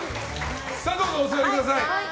どうぞ、お座りください。